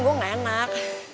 gue gak enak